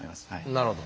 なるほど。